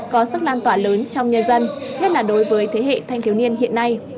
có sức lan tỏa lớn trong nhân dân nhất là đối với thế hệ thanh thiếu niên hiện nay